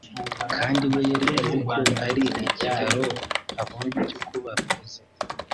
kandi we yari azi ko ari ikiraro abonye cyo kuba Perezida